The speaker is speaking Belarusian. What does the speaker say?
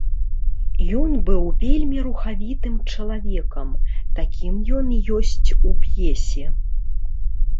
Ён быў вельмі рухавітым чалавекам, такім ён і ёсць у п'есе.